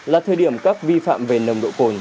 là thời điểm các vi phạm về nồng độ cồn